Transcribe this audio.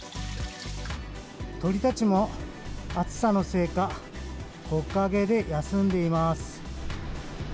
鳥たちも、暑さのせいか、木陰で休んでいます。